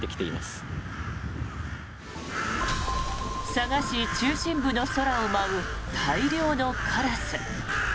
佐賀市中心部の空を舞う大量のカラス。